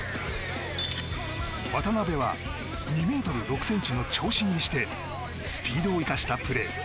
渡邊は２ｍ６ｃｍの長身にしてスピードを生かしたプレー。